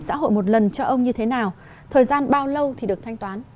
bảo hiểm xã hội một lần cho ông như thế nào thời gian bao lâu được thanh toán